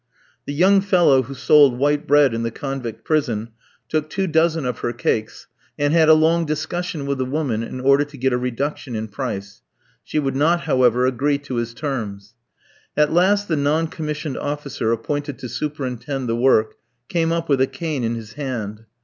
The young fellow who sold white bread in the convict prison took two dozen of her cakes, and had a long discussion with the woman in order to get a reduction in price. She would not, however, agree to his terms. At last the non commissioned officer appointed to superintend the work came up with a cane in his hand.